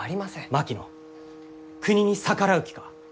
槙野国に逆らう気か？